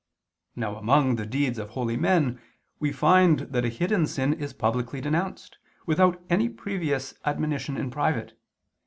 Now among the deeds of holy men we find that a hidden sin is publicly denounced, without any previous admonition in private.